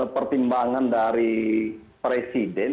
pertimbangan dari presiden